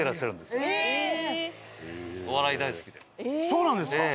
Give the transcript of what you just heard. そうなんですか？